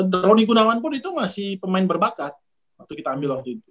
dodi gunawan pun itu masih pemain berbakat waktu kita ambil waktu itu